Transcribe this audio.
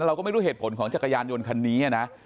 เราก็ไม่รู้เหตุผลของจักรยานยนต์คันนี้นะ